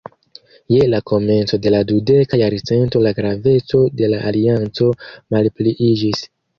Je la komenco de la dudeka jarcento la graveco de la alianco malpliiĝis.